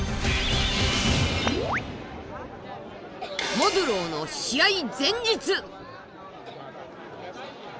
モドゥローの試合前日！